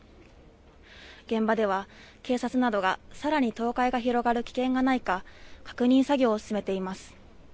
現場では警察などがさらに倒壊が広がる危険がないか確認作業を進めています。